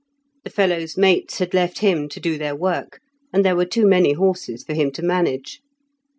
The fellow's mates had left him to do their work, and there were too many horses for him to manage.